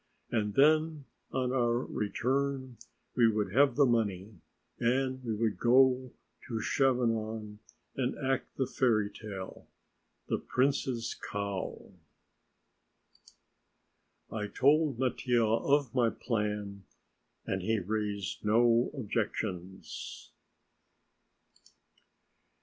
And then on our return we would have the money and we would go to Chavanon and act the fairy tale, "The Prince's Cow." I told Mattia of my plan and he raised no objections.